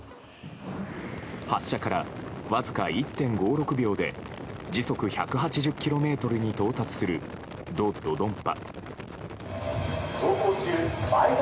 発射からわずか１．５６秒で時速１８０キロメートルに到達するド・ドドンパ。